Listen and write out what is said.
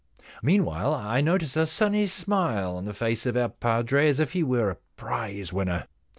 Meanwhile I notice a sunny smile on the face of our padre, as if he were a prize winner.